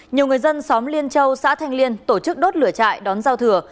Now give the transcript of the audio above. nhiều người dân xóm liên châu xã thanh liên tổ chức đốt lửa chạy đón giao thừa